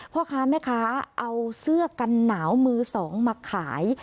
พ่อค้าแม่ค้าเอาเสื้อกันหนาวมือสองมาขาย